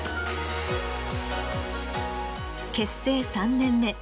結成３年目。